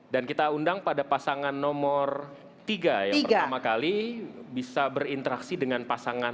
dan kita undang pada pasangan nomor tiga yang pertama kali bisa berinteraksi dengan pasangan